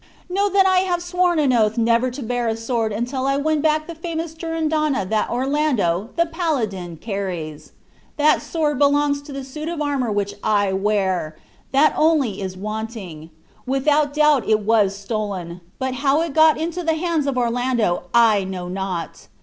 Know that I have sworn an oath never to bear a sword until I win back that famous Durindana that Orlando, the paladin, carries. That sword belongs to the suit of armor which I wear; that only is wanting. Without doubt it was stolen, but how it got into the hands of Orlando I know not.